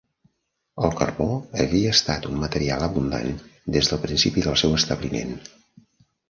El carbó havia estat un material abundant des del principi del seu establiment.